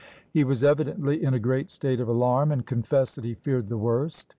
He was evidently in a great state of alarm, and confessed that he feared the worst.